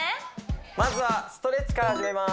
まずはストレッチから始めます